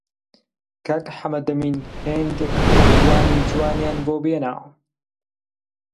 کاک حەمەدەمین هێندێک قەزوانی جوانیان بۆ بێنە!